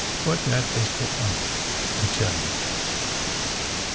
Put that pistol up, I tell you."